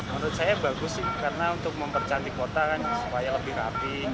menurut saya bagus sih karena untuk mempercantik kota kan supaya lebih rapi